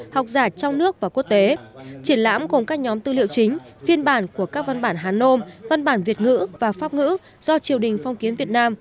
học giả trong nước và quốc tế triển lãm gồm các nhóm tư liệu chính phiên bản của các văn bản hán nôm văn bản việt ngữ và pháp ngữ do triều đình phong kiến việt nam